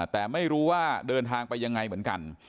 แต่ไม่รู้ว่าเดินทางไปยังไงเหมือนกัน